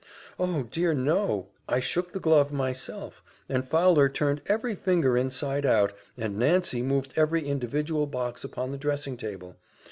"Oh! dear, no: I shook the glove myself, and Fowler turned every finger inside out, and Nancy moved every individual box upon the dressing table.